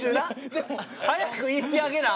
でも早く言ってあげな。